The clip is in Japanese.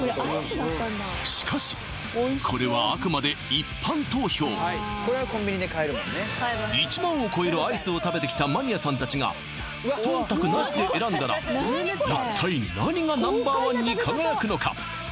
しかしこれは１万を超えるアイスを食べてきたマニアさん達が忖度なしで選んだら一体何がＮｏ．１に輝くのか？